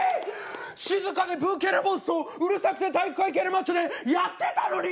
静かで文系のぼうずとうるさくて体育会系のマッチョでやってたのに！